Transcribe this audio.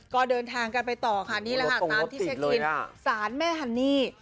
ก็เดินทางกันไปต่อค่ะนี่แหละค่ะตามที่เช็คอินสารแม่ฮันนี่